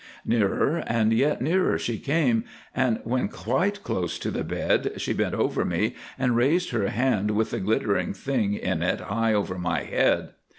Nearer, and yet nearer, she came, and when quite close to the bed, she bent over me and raised her hand with the glittering thing in it high over my head.